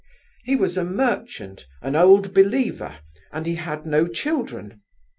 He was a merchant, an Old Believer, and he had no children.